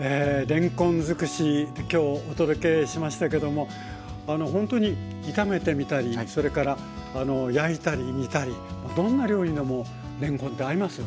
れんこん尽くしきょうお届けしましたけどもほんとに炒めてみたりそれから焼いたり煮たりどんな料理でもれんこんって合いますよね。